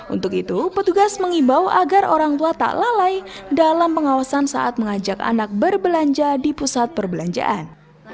untuk itu petugas mengimbau agar orang tua tak lalai dalam pengawasan saat mengajak anak berbelanja di pusat perbelanjaan